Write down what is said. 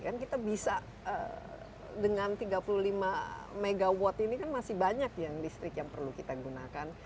kan kita bisa dengan tiga puluh lima mw ini kan masih banyak yang listrik yang perlu kita gunakan